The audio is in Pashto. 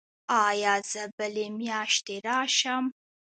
ایا زه بلې میاشتې راشم؟